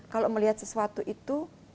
kalau melihat sesuatu itu